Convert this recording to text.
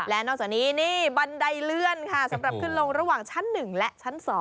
และนอกจากนี้นี่บันไดเลื่อนค่ะสำหรับขึ้นลงระหว่างชั้น๑และชั้น๒